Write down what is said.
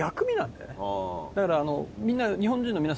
だから。